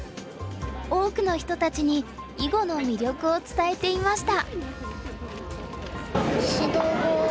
多くの人たちに囲碁の魅力を伝えていました。